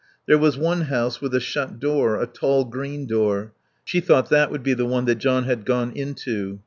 There was one house with a shut door, a tall green door; she thought that would be the one that John had gone into.